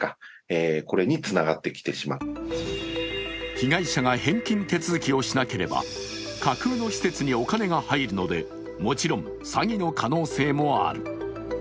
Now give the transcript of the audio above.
被害者が返金手続きをしなければ、架空の施設にお金が入るので、もちろん詐欺の可能性もある。